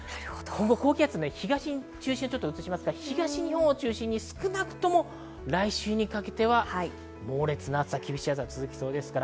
高気圧によって東に移しますから、東日本を中心に少なくとも来週にかけて、猛烈な暑さ、厳しい暑さが続きそうです。